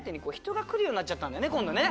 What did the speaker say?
今度ね。